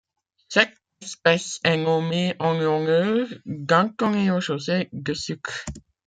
Cette espèce est nommée en l'honneur d'Antonio José de Sucre.